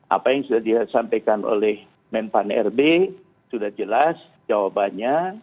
apa yang sudah disampaikan oleh menpan rb sudah jelas jawabannya